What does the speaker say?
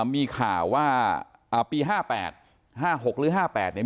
มีข่าวว่าอ่าปีห้าแปดห้าหกหรือห้าแปดเนี่ย